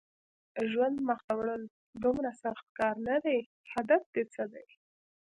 د ژوند مخته وړل دومره سخت کار نه دی، هدف دې څه دی؟